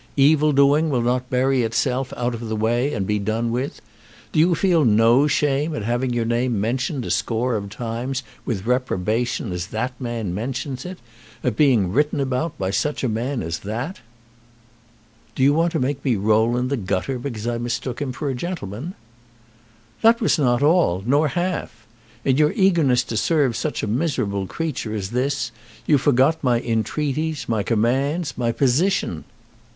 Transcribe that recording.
Evil doing will not bury itself out of the way and be done with. Do you feel no shame at having your name mentioned a score of times with reprobation as that man mentions it; at being written about by such a man as that?" "Do you want to make me roll in the gutter because I mistook him for a gentleman?" "That was not all, nor half. In your eagerness to serve such a miserable creature as this you forgot my entreaties, my commands, my position!